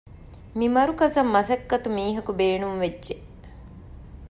މިމަރުކަޒަށް މަސައްކަތު މީހަކު ބޭނުންވެއްޖެ